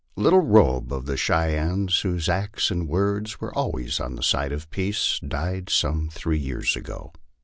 Little Robe, of the Cheyennes, whose acts and words were always on the side of peace, died some three years ago.